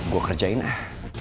gue kerjain ah